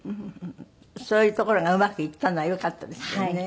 そういうところがうまくいったのはよかったですよね。